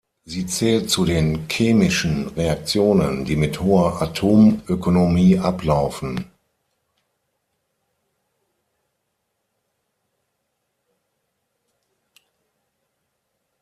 Sie zählt zu den chemischen Reaktionen, die mit hoher Atomökonomie ablaufen.